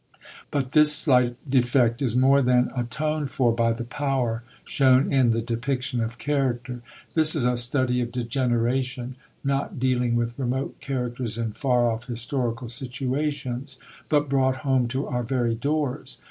But this slight defect is more than atoned for by the power shown in the depiction of character. This is a study of degeneration, not dealing with remote characters in far off historical situations, but brought home to our very doors.